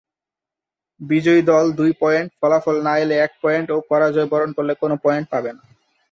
বিজয়ী দল দুই পয়েন্ট, ফলাফল না এলে এক পয়েন্ট ও পরাজয়বরণ করলে কোন পয়েন্ট পাবে না।